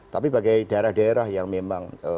tapi bagai daerah daerah yang memang